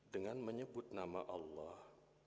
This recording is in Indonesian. dengan menyebut nama allah